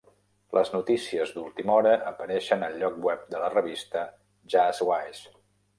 Les notícies d'última hora apareixen al lloc web de la revista "Jazzwise".